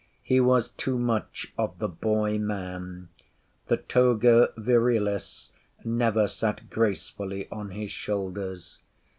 He was too much of the boy man. The toga virilis never sate gracefully on his shoulders.